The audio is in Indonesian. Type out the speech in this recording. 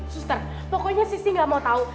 suster pokoknya sissy gak mau tau